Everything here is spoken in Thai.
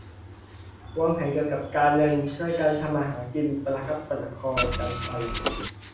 วางแผนเกี่ยวกับการเงิน ช่วยกันทำมาหากิน ประคับประคองกันไป